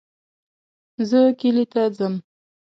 زه کلي ته ځم